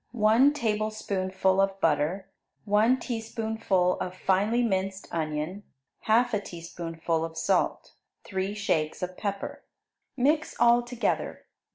1 tablespoonful of butter. 1 teaspoonful of finely minced onion. 1/2 teaspoonful of salt. 3 shakes of pepper. Mix all together.